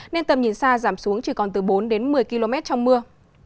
nên tầm nhìn xa giảm xuống chỉ còn từ bốn đến một mươi km trong mưa